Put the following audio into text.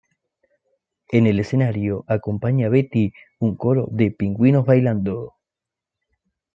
En el escenario acompaña a Betty un coro de pingüinos bailando.